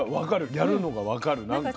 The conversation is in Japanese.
やるのが分かるなんか。